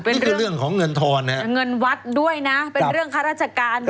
นี่คือเรื่องของเงินทอนนะฮะเงินวัดด้วยนะเป็นเรื่องข้าราชการ